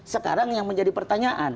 sekarang yang menjadi pertanyaan